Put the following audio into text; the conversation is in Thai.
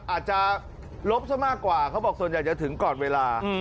อาจจะลบซะมากกว่าเขาบอกส่วนใหญ่จะถึงก่อนเวลา